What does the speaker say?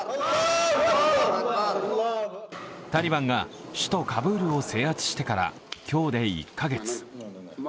タリバンが首都カブールを制圧してから今日で１カ月。